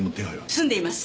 済んでいます。